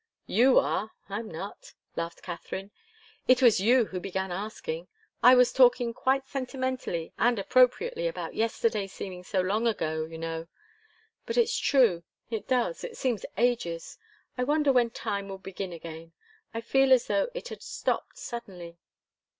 "You are I'm not," laughed Katharine. "It was you who began asking. I was talking quite sentimentally and appropriately about yesterday seeming so long ago, you know. But it's true. It does it seems ages. I wonder when time will begin again I feel as though it had stopped suddenly."